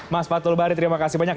mas fatul bari terima kasih banyak